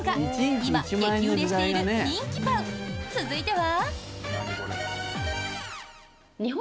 今、激売れしている人気パン続いては。